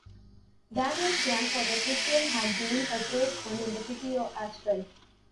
Daniel's grandfather Christian had been a tradesman in the city as well.